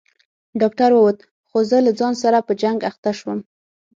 ډاکتر ووت خو زه له ځان سره په جنگ اخته سوم.